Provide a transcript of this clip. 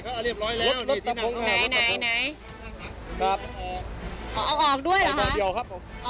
เขาอรับร้อยแล้วรถตะพรุงไหนไหนนะครับเอาออกด้วยหรอฮะ